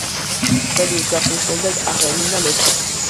ძეგლის გახსნის შემდეგ აღევლინა ლოცვა.